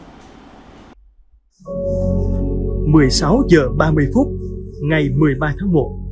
một mươi sáu h ba mươi phút ngày một mươi ba tháng một